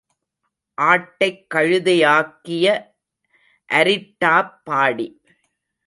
ஆட்டைக் கழுதையாக்கிய அரிட்டாப் பாடி.